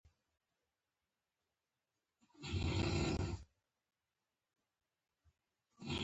زړه د بدن د ژوند ساتونکی دی.